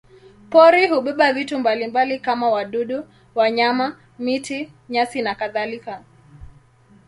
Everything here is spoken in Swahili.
Pori hubeba vitu mbalimbali kama wadudu, wanyama, miti, nyasi nakadhalika.